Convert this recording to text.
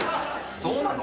そうなの？